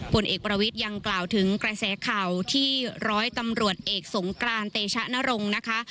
ผลเอกประวิทย์ยังกล่าวถึงกระแสข่าวที่ร้อยตำรวจเอกสงกรานเตชะนรงค์นะคะ